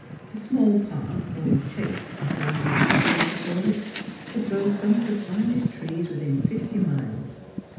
The small park, or chase, as Sir Everard preferred to call it, could boast some of the finest trees within fifty miles.